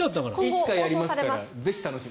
いつかやりますから楽しみに。